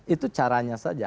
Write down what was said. itu caranya saja